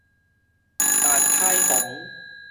陳海虹